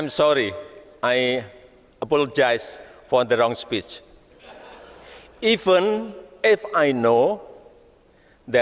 meskipun saya tahu bahwa semua orang menarik mengenainya